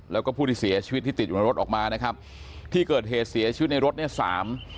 แล้วก็ผู้ที่เสียชีวิตที่ติดอยู่ในรถออกมานะครับที่เกิดเหตุเสียชีวิตในรถเนี่ยสาม